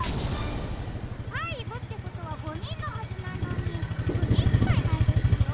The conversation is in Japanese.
５ってことは５にんのはずなのに４にんしかいないですよ。